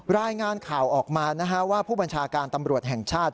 รายงานข่าวออกมาว่าผู้บัญชาการตำรวจแห่งชาติ